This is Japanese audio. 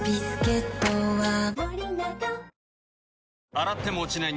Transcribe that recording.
洗っても落ちない